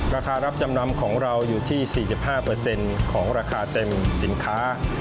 ราคารับจำนำของเราอยู่ที่๔๕ของราคาเต็มสินค้า